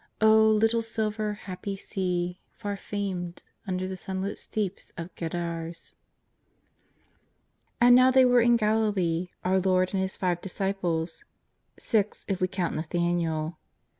Oil, little silver, happy Sea, far famed, Under the sunlit steeps of Gadara 1 * And now they were in Galilee, our Lord and His five disciples, six if we count Nathaniel.